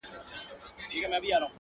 چی په عُقدو کي عقیدې نغاړي تر عرسه پوري؛